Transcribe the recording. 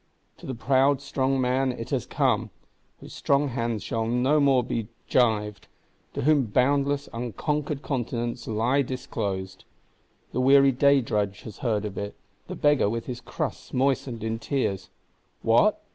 To the proud strong man it has come; whose strong hands shall no more be gyved; to whom boundless unconquered continents lie disclosed. The weary day drudge has heard of it; the beggar with his crusts moistened in tears. What!